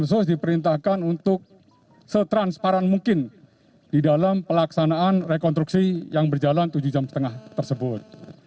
khusus diperintahkan untuk setransparan mungkin di dalam pelaksanaan rekonstruksi yang berjalan tujuh jam setengah tersebut